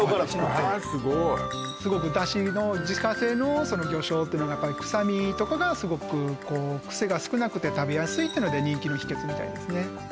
ああすごい出汁の自家製の魚醤ってのがやっぱり臭みとかがすごくこうクセが少なくて食べやすいっていうので人気の秘訣みたいですね